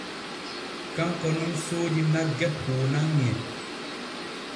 Kanko nun soodi nagge huunanŋe.